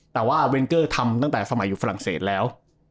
แต่ว่าเวนเกอร์ทำตั้งแต่สมัยอยู่ฝรั่งเศสแล้ว